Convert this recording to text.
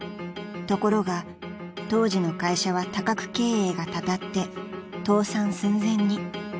［ところが当時の会社は多角経営がたたって倒産寸前に］